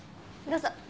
どうぞ。